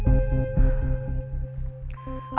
gimana menurut a kang